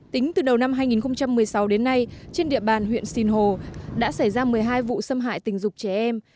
tính từ đầu năm hai nghìn một mươi sáu đến nay trên địa bàn huyện sinh hồ đã xảy ra một mươi hai vụ xâm hại tình dục trẻ em